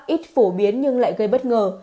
ít phổ biến nhưng lại gây bất ngờ